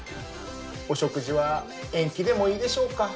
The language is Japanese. お食事は延期でもいいでしょうか？